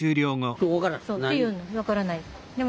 分からないって。